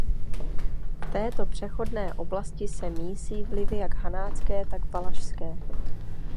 V této přechodné oblasti se mísí vlivy jak hanácké tak valašské.